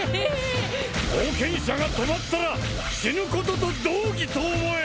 冒険者が止まったら死ぬことと同義と思え！